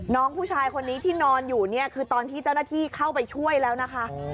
น้องผู้ชายคนนี้ที่นอนอยู่เนี่ยคือตอนที่เจ้าหน้าที่เข้าไปช่วยแล้วนะคะ